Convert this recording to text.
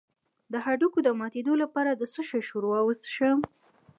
د هډوکو د ماتیدو لپاره د څه شي ښوروا وڅښم؟